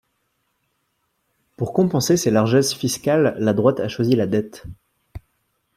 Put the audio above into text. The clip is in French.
Pour compenser ses largesses fiscales, la droite a choisi la dette.